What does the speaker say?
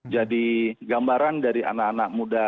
jadi gambaran dari anak anak muda